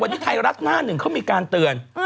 วันนี้ไทยรัฐหน้าหนึ่งเขามีการเตือน